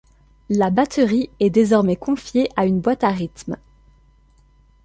La batterie est désormais confiée à une boite à rythme.